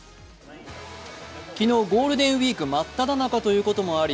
昨日、ゴールデンウイーク真っただ中ということもあり